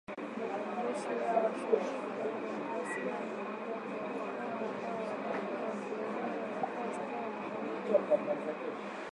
Majeshi ya Washirika wa kidemokrasia ni wanamgambo wa Uganda ambao wamekuwa wakiendesha harakati zao mashariki mwa kongo